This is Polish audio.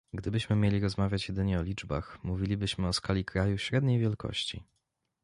Gdybyśmy mieli rozmawiać jedynie o liczbach, mówilibyśmy o skali kraju średniej wielkości